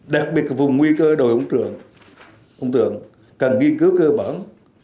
đặc biệt là vùng nguy cơ đồi ống trường ống tượng cần nghiên cứu cơ bản